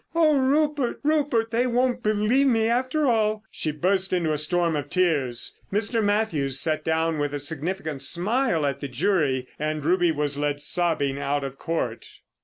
Oh, Rupert, Rupert, they won't believe me after all!" She burst into a storm of tears. Mr. Mathews sat down with a significant smile at the jury, and Ruby was led sobbing out of Court.